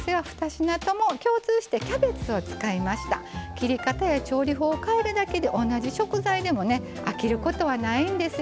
切り方や調理法を変えるだけで同じ食材でもね飽きることはないんですよ。